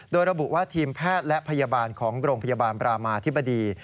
โดยระบุว่าทีมแพทย์และพยาบาลของโรงพยาบาลบรามาธิบดี